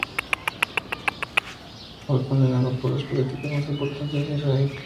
El atentado fue condenado por los políticos más importantes de Israel.